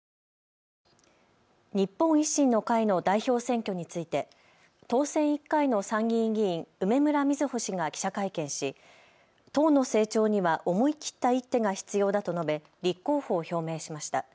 日本維新の会の代表選挙について当選１回の参議院議員、梅村みずほ氏が記者会見し党の成長には思い切った一手が必要だと述べ立候補を表明しました。